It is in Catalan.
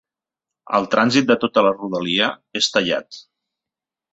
El trànsit de tota la rodalia és tallat.